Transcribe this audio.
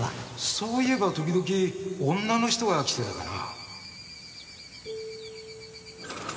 そういえば時々女の人が来てたかな。